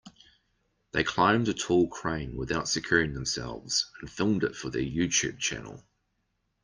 They climbed a tall crane without securing themselves and filmed it for their YouTube channel.